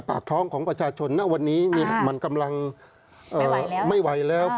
ปากท้องของประชาชนณวันนี้มันกำลังไม่ไหวแล้ว